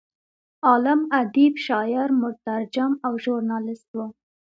عالم، ادیب، شاعر، مترجم او ژورنالست و.